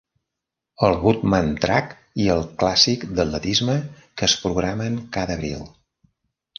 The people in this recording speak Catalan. El Woodman Track i el Clàssic d'atletisme, que es programen cada abril.